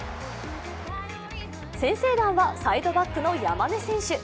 先制弾はサイドバックの山根選手。